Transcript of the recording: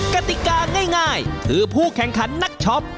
กติกาง่ายคือผู้แข่งขันนักช็อป